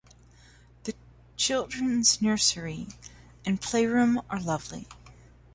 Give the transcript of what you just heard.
The children's nursery and playroom are lovely.